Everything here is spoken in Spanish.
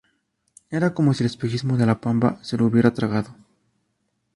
Era cómo si el espejismo de la Pampa se lo hubiera tragado.